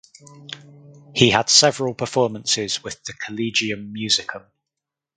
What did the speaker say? He had several performances with the Collegium musicum.